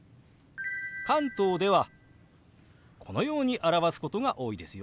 関東ではこのように表すことが多いですよ。